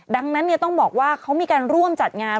ดังนั้นต้องบอกว่าเขามีการร่วมจัดงาน